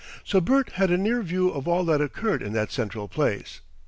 So Bert had a near view of all that occurred in that central place.